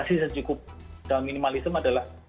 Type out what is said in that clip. batasi secukup digital minimalism adalah